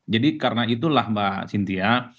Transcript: jadi karena itulah mbak cynthia